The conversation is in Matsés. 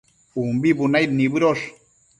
umbi bunaid nibëdosh